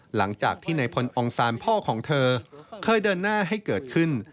หลังจากที่ในพลองศาลพ่อของเธอเคยเดินหน้าให้เกิดขึ้น